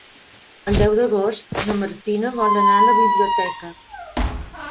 El deu d'agost na Martina vol anar a la biblioteca.